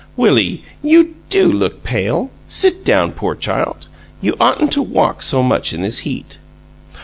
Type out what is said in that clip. "Willie, you DO look pale! Sit down, poor child; you oughtn't to walk so much in this heat."